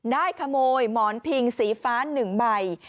นายขโมยหมอนพิงสีฟ้านหนึ่งใบ